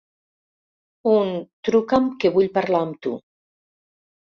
Un «truca'm que vull parlar amb tu».